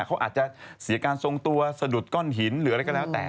เขาอาจจะเสียการทรงตัวสะดุดก้อนหินหรืออะไรก็แล้วแต่